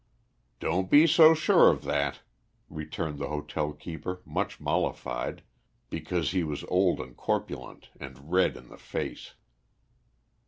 "Don't be so sure of that," returned the hotel keeper, much mollified, because he was old and corpulent, and red in the face.